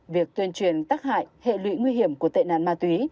việc tuyên truyền tắc hại hệ lụy nguy hiểm của tệ nạn ma túy